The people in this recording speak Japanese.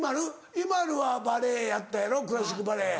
ＩＭＡＬＵはバレエやったやろクラシックバレエ。